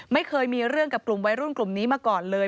ไม่เคยมีเรื่องกับกลุ่มวัยรุ่นกลุ่มนี้มาก่อนเลย